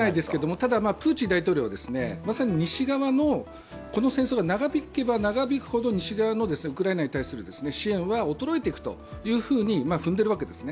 ただプーチン大統領はこの戦争が長引けば長引くほど西側のウクライナに対する支援は衰えていくというふうに踏んでるわけですね。